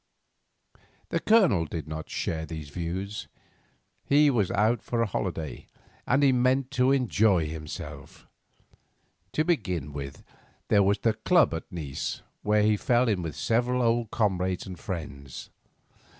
The Colonel did not share these views. He was out for a holiday, and he meant to enjoy himself. To begin with, there was the club at Nice, where he fell in with several old comrades and friends.